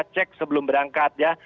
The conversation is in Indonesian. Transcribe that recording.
cek sebelum berangkat ya